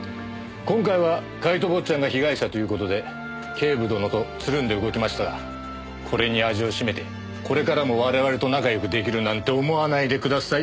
今回はカイト坊ちゃんが被害者という事で警部殿とつるんで動きましたがこれに味をしめてこれからも我々と仲良く出来るなんて思わないでください。